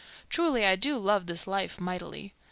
Truly, I do love this life mightily."